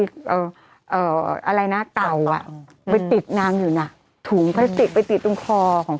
เราอะไรณเตาไปติดนางอยู่นะถูงสองตรงคอตรงคอ